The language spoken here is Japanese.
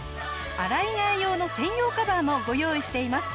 洗い替え用の専用カバーもご用意しています。